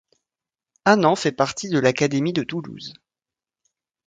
Anan fait partie de l'académie de Toulouse.